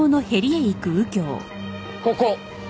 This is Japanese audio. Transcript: ここ。